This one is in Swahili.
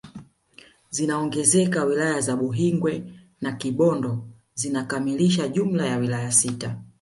Zinaongezeka wilaya za Buhingwe na Kibondo zikikamilisha jumla ya wilaya sita